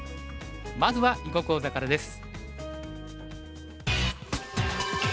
まずは囲碁講座からです。